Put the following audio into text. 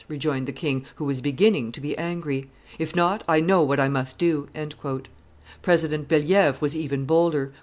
rejoined the king, who was beginning to be angry; "if not, I know what I must do." President Bellievre was even bolder.